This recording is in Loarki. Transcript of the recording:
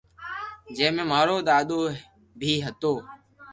جي مي مارو دادو بي ھتو